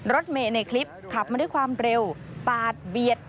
รถเมย์ในคลิปขับมาด้วยความเร็วปาดเบียด